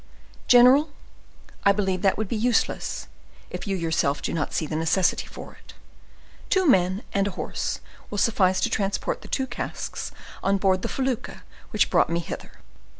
"General, I believe that would be useless, if you yourself do not see the necessity for it. Two men and a horse will suffice to transport the two casks on board the felucca which brought me hither."